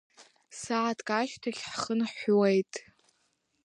Сааҭк ашьҭахь ҳхынҳәуеит…